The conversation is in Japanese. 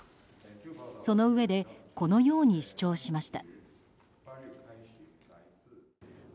そのうえでこのように主張しました。